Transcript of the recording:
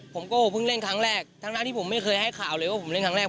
ผมก็เพิ่งเล่นครั้งแรกทั้งหน้าที่ผมไม่เคยให้ข่าวเลยว่าผมเล่นครั้งแรก